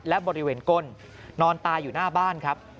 และบริเวณก้นนอนตายอยู่หน้าบ้านครับ